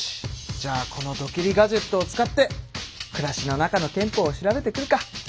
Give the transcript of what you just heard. じゃあこのドキリ・ガジェットを使って暮らしの中の憲法を調べてくるか。